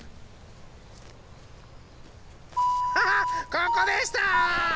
ここでした！